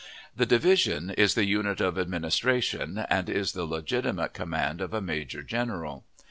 The division is the unit of administration, and is the legitimate command of a major general.